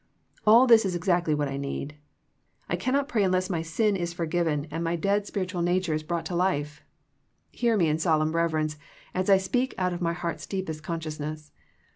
All this is exactly what I need. I can not pray unless my sin is forgiven and my dead THE PLATFOEM OF PEAYER 39 spiritual nature is brought to life. Hear me in solemn reverence as I speak out of my heart's deepest consciousness.